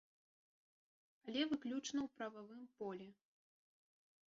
Але выключна ў прававым полі.